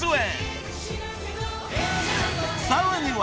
［さらには］